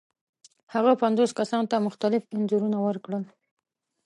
هغه پنځو کسانو ته مختلف انځورونه ورکړل.